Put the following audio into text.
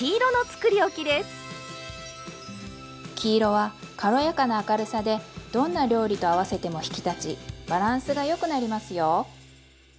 黄色は軽やかな明るさでどんな料理と合わせても引き立ちバランスがよくなりますよ。